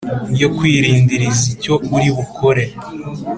yokwirindirizq icyo uribukore”